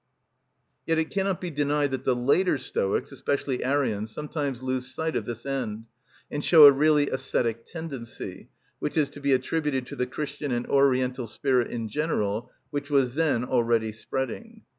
Yet it cannot be denied that the later Stoics, especially Arrian, sometimes lose sight of this end, and show a really ascetic tendency, which is to be attributed to the Christian and Oriental spirit in general which was then already spreading.